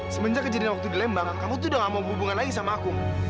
semenjak kejadian waktu di lembang kamu tuh udah gak mau hubungan lagi sama aku